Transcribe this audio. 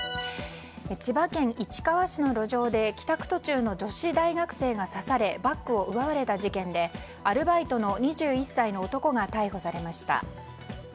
千葉県市川市の路上で帰宅途中の女子大学生が刺されバッグを奪われた事件でアルバイトの２１歳の男が逮捕されました。